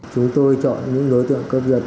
chúng tôi chọn những đối tượng cướp giật